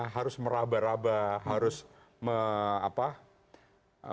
harus meraba raba harus apa